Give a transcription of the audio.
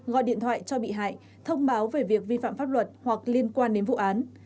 gọi điện thoại cho bị hại thông báo về việc vi phạm pháp luật hoặc liên quan đến vụ án